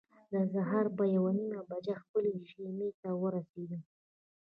د سهار په یوه نیمه بجه خپلې خیمې ته ورسېدو.